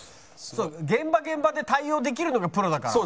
現場現場で対応できるのがプロだから。